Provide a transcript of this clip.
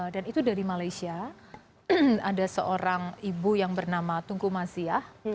dan itu dari malaysia ada seorang ibu yang bernama tunku masiah